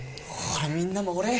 ほらみんなもお礼！